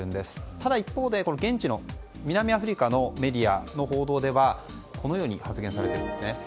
ただ一方で、現地の南アフリカメディアの報道ではこのように発現されています。